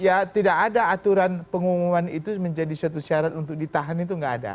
ya tidak ada aturan pengumuman itu menjadi suatu syarat untuk ditahan itu nggak ada